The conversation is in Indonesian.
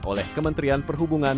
oleh kementerian perhubungan